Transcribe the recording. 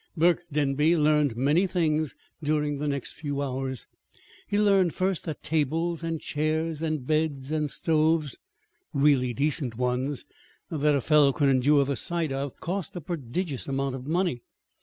Burke Denby learned many things during the next few hours. He learned first that tables and chairs and beds and stoves really decent ones that a fellow could endure the sight of cost a prodigious amount of money.